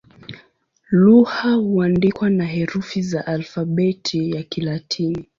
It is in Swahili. Lugha huandikwa na herufi za Alfabeti ya Kilatini.